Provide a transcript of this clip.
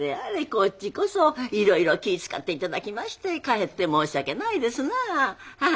こっちこそいろいろ気ぃ遣っていただきましてかえって申し訳ないですなあ。